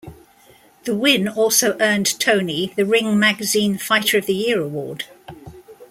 The win also earned Toney the Ring Magazine Fighter Of The Year award.